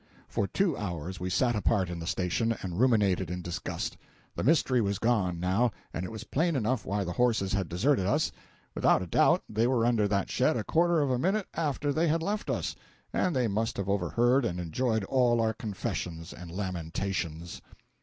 For two hours we sat apart in the station and ruminated in disgust. The mystery was gone, now, and it was plain enough why the horses had deserted us. Without a doubt they were under that shed a quarter of a minute after they had left us, and they must have overheard and enjoyed all our confessions and lamentations.